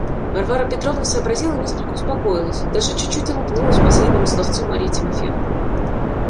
Варвара Петровна сообразила и несколько успокоилась; даже чуть-чуть улыбнулась последнему словцу Марьи Тимофеевны.